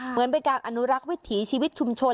เหมือนเป็นการอนุรักษ์วิถีชีวิตชุมชน